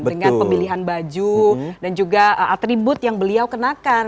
dengan pemilihan baju dan juga atribut yang beliau kenakan